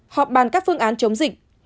họp bàn các phương án chống dịch